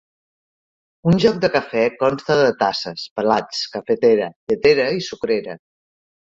Un joc de cafè consta de tasses, plats, cafetera, lletera i sucrera.